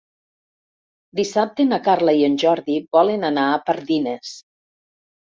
Dissabte na Carla i en Jordi volen anar a Pardines.